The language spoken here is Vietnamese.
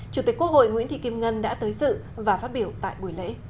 chủ tịch quốc hội nguyễn thị kim ngân đã tới sự và phát biểu tại buổi lễ